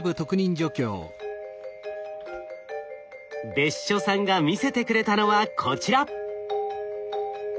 別所さんが見せてくれたのはこちら。